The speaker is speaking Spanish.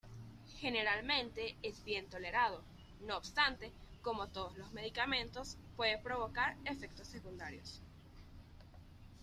Generalmente es bien tolerado, no obstante como todos los medicamentos, puede provocar efectos secundarios.